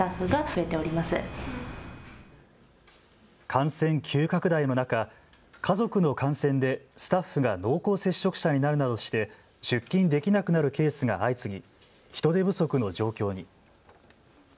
感染急拡大の中、家族の感染でスタッフが濃厚接触者になるなどして出勤できなくなるケースが相次ぎ人手不足の状況に。